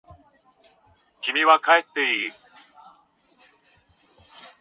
君は帰っていい。